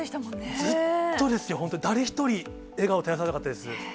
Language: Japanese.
ずっとですよ、本当に誰一人、笑顔絶やさなかったです。